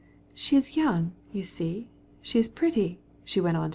"She's young, you see, she's pretty," she went on.